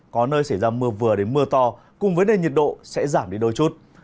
có nơi xảy ra mưa vừa đến mưa to cùng với nền nhiệt độ sẽ giảm đi đôi chút